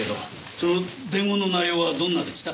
その伝言の内容はどんなでした？